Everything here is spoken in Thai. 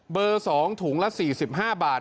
เบอร์๒ถุงละ๔๕บาท